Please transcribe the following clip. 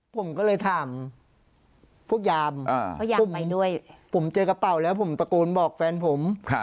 ผมก็เลยถามพวกยามผมเจอกระเป๋าแล้วผมตะโกนบอกแฟนผม